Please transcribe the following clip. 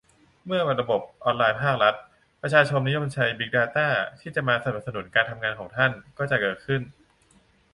เมื่อระบบออนไลน์ภาครัฐ ประชาชนนิยมใช้ บิ๊กดาต้า ที่จะมาสนับสนุนการทำงานของท่าน ก็จะเกิดขึ้น